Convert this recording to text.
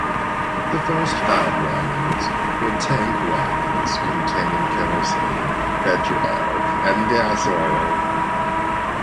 The first five wagons were tank wagons containing kerosene, petrol and gas oil.